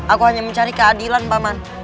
aku hanya mencari keadilan paman